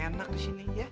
enak disini ya